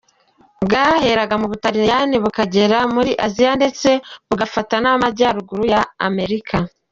Bwaheraga mu Burayi bukagera muri Asia ndetse bugafata n’Amajyaruguru ya Amerika.